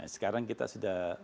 sekarang kita sudah